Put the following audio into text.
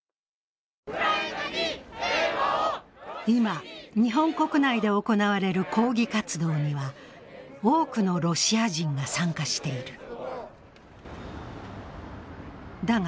今、日本国内で行われる抗議活動には多くのロシア人が参加している。